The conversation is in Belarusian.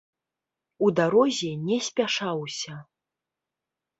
У дарозе не спяшаўся.